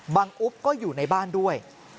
อุ๊บก็อยู่ในบ้านด้วย